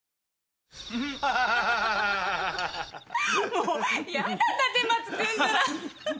もうやだ立松君たら。